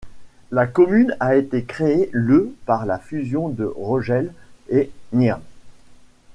La commune a été créée le par la fusion de Roggel et de Neer.